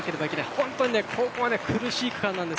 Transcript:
本当にここは苦しい区間です。